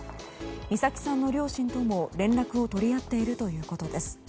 美咲さんの両親とも連絡を取り合っているということです。